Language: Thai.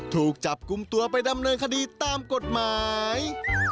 ถูกจับกลุ่มตัวไปดำเนินคดีตามกฎหมาย